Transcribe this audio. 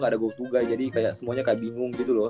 ga ada go to guy jadi kayak semuanya kayak bingung gitu loh